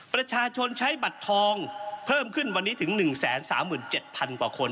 ประชาชนใช้บัตรทองเพิ่มขึ้นวันนี้ถึง๑๓๗๐๐กว่าคน